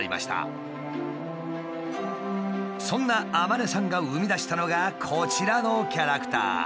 そんなアマネさんが生み出したのがこちらのキャラクター。